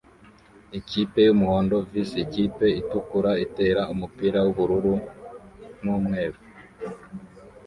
Ikipe yumuhondo vs Ikipe itukura itera umupira wubururu & umweru